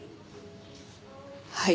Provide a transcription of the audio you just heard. はい。